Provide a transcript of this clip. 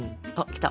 きた！